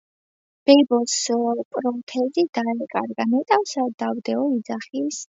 ბებოს პროთეზი დაეკარგა. ნეტავ სად დავდეო? - იძახის.